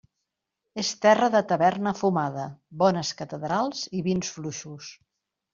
És terra de taverna fumada, bones catedrals i vins fluixos.